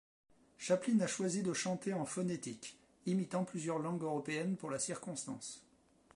Chaplin a choisi de chanter en phonétique, imitant plusieurs langues européennes pour la circonstance.